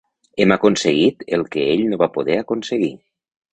Hem aconseguit el que ell no va poder aconseguir.